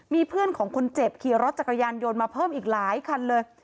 มีเพื่อนของคนเจ็บขี่รถจักรยานยนต์มาเพิ่มอีกหลายคันเลย